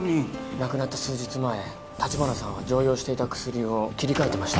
亡くなった数日前橘さんは常用していた薬を切り替えてました